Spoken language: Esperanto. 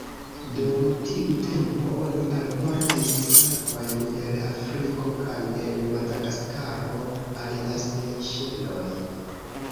Dum tiu tempo, oni alportis sklavojn el Afriko kaj el Madagaskaro al la Sejŝeloj.